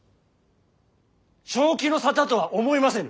正気の沙汰とは思えませぬ。